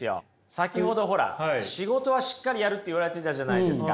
先ほどほら仕事はしっかりやるって言われてたじゃないですか。